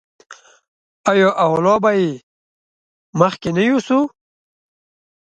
آیا او لا به یې مخکې نه یوسي؟